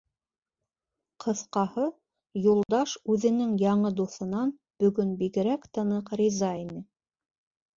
Ҡыҫҡаһы, Юлдаш үҙенең яңы дуҫынан бөгөн бигерәк тә ныҡ риза ине.